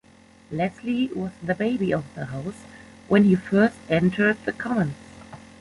Leslie was the Baby of the House when he first entered the Commons.